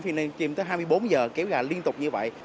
livestream tới hai mươi bốn h kiểu gà liên tục như vậy